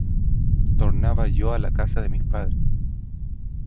Tornaba yo a la casa de mis padres.